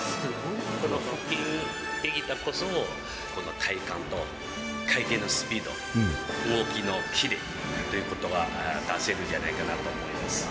この腹筋が出来たからこそ、この体幹と回転のスピード、動きのキレということが出せるんじゃないかなと思います。